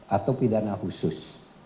atau pidana khusus